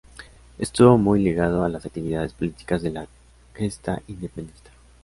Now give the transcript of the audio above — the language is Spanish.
Estuvo muy ligado a las actividades políticas de la gesta independentista.